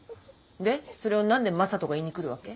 でそれをなんで正門が言いに来るわけ？